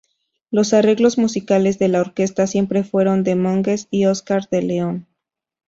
Los arreglos musicales de la orquesta siempre fueron de Monges y Oscar D'León.